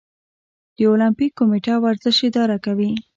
د المپیک کمیټه ورزش اداره کوي